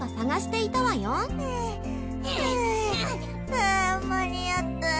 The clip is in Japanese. はぁ間に合った。